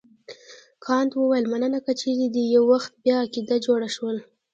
کانت وویل مننه که چیرې دې یو وخت بیا عقیده جوړه شول.